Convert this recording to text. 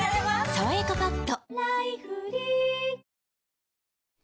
「さわやかパッド」